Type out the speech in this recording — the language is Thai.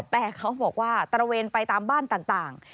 แต่เขาบอกว่าตระเวนไปตามบ้านต่าง